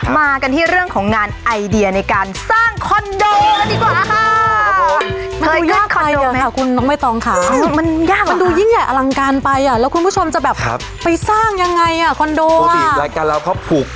มากันที่เรื่องของงานไอเดียในการสร้างคอนโดเลยดีกว่าค่ะ